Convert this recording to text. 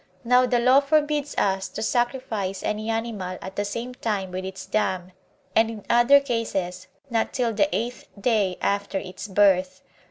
Now the law forbids us to sacrifice any animal at the same time with its dam; and, in other cases, not till the eighth day after its birth.